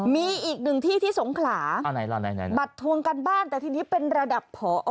มีอีกหนึ่งที่ที่สงขลาไหนบัตรทวงการบ้านแต่ทีนี้เป็นระดับผอ